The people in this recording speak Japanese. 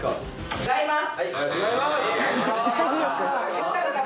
違います。